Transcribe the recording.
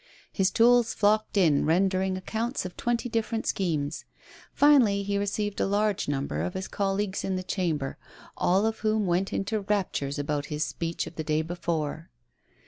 His tools flocked in, rendering accounts of twenty differ ent schemes. Finally he received a large number of his colleagues in the Chamber, all of whom went into rap tures about his speech of the day before.